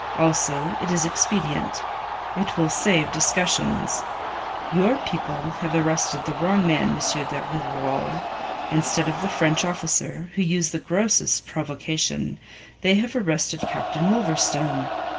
Also it is expedient. It will save discussions. Your people have arrested the wrong man, M. de Rivarol. Instead of the French officer, who used the grossest provocation, they have arrested Captain Wolverstone.